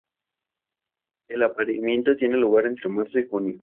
El apareamiento tiene lugar entre marzo y junio.